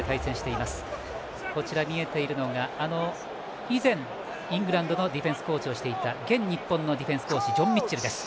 今、見えていたのが以前、イングランドのディフェンスコーチをしていた現日本のディフェンスコーチジョン・ミッチェルです。